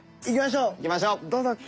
行きましょう。